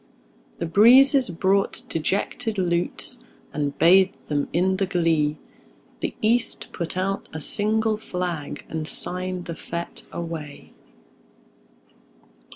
The breezes brought dejected lutes, And bathed them in the glee; The East put out a single flag, And signed the fete away.